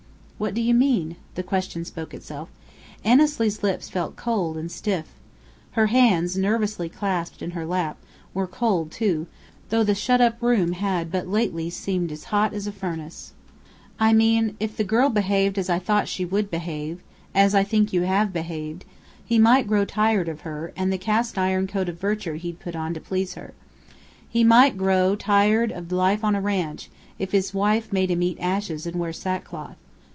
"What do you mean?" The question spoke itself. Annesley's lips felt cold and stiff. Her hands, nervously clasped in her lap, were cold, too, though the shut up room had but lately seemed hot as a furnace. "I mean, if the girl behaved as I thought she would behave as I think you have behaved he might grow tired of her and the cast iron coat of virtue he'd put on to please her. He might grow tired of life on a ranch if his wife made him eat ashes and wear sack cloth.